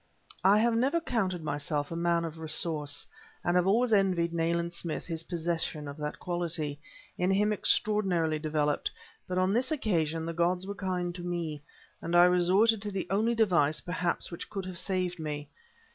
I have never counted myself a man of resource, and have always envied Nayland Smith his possession of that quality, in him extraordinarily developed; but on this occasion the gods were kind to me, and I resorted to the only device, perhaps, which could have saved me.